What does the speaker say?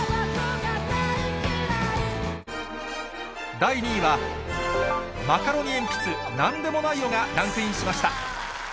第２位は、マカロニえんぴつ、なんでもないよ、がランクインしました。